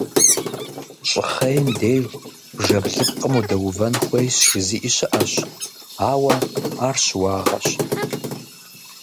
Щӏыхъейм деж бжэ блыпкъым удэувэн хуейщ жызыӏи щыӏэщ, ауэ ар щыуагъэщ.